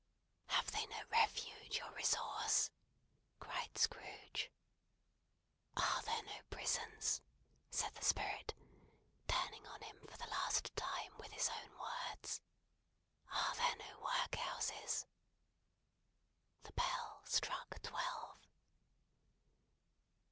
"Have they no refuge or resource?" cried Scrooge. "Are there no prisons?" said the Spirit, turning on him for the last time with his own words. "Are there no workhouses?" The bell struck twelve.